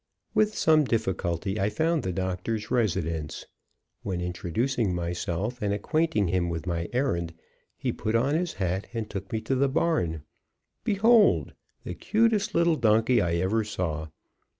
With some difficulty I found the doctor's residence; when, introducing myself and acquainting him with my errand, he put on his hat and took me to the barn. Behold! the cutest little donkey I ever saw.